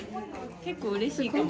結構うれしいかも。